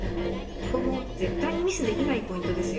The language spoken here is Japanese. ここも絶対にミスできないポイントですよ。